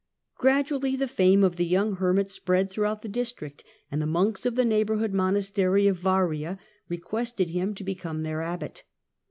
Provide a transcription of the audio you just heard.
Gradually the fame of the young hermit spread throughout the district, and the monks of the neigh bouring monastery of Varia requested him to become their abbot.